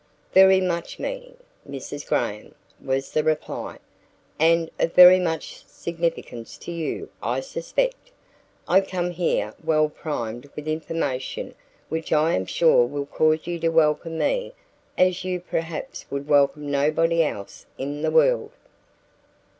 "Very much meaning, Mrs. Graham," was the reply; "and of very much significance to you, I suspect. I come here well primed with information which I am sure will cause you to welcome me as you perhaps would welcome nobody else in the world."